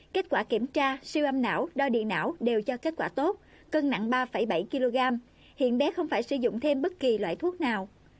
kết quả kiểm tra siêu âm não đo bị não đều cho kết quả tốt cân nặng ba bảy kg hiện bé không phải sử dụng thêm bất kỳ loại thuốc nào